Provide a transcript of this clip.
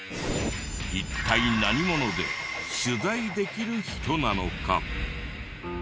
一体何者で取材できる人なのか？